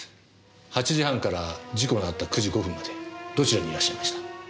８時半から事故のあった９時５分までどちらにいらっしゃいました？